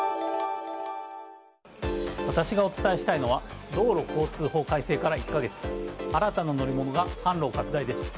私がお伝えしたいのは道路交通法改正から１か月新たな乗り物が販路を拡大です。